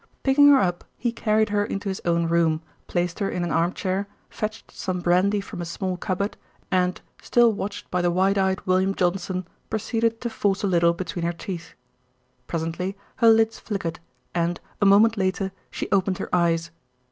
Picking her up he carried her into his own room, placed her in an arm chair, fetched some brandy from a small cupboard and, still watched by the wide eyed William Johnson, proceeded to force a little between her teeth. Presently her lids flickered and, a moment later, she opened her eyes.